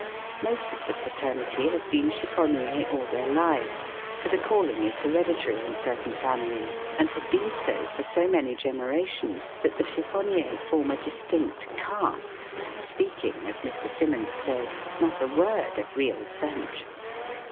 Most of the fraternity have been chiffonniers all their lives, for the calling is hereditary in certain families, and has been so for so many generations that the chiffonniers form a distinct caste, speaking, as Mr. Simmonds says, not a word of real French.